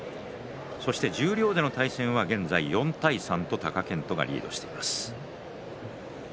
そして十両での対戦は現在４対３と貴健斗がリードしています。